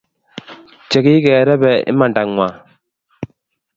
Che kigerebe imandang’wang